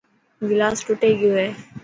گلاس ٽٽي گيو هي.